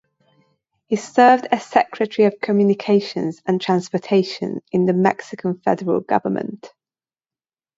He served as Secretary of Communications and Transportation in the Mexican Federal Government.